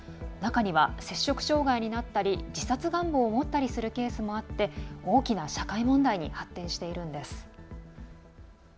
中には摂食障害になったり自殺願望を持ったりするケースもあって大きな社会問題に発展しているんです。